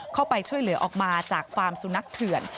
เข้าไปช่วยเหลือออกมาจากฟาร์มสุนัขเถื่อน